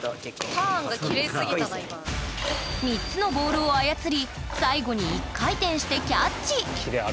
３つのボールを操り最後に１回転してキャッチ。